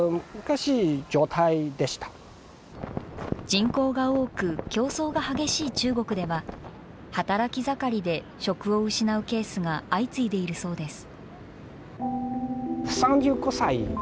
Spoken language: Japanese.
人口が多く、競争が激しい中国では、働き盛りで職を失うケースが相次いでいるそうです。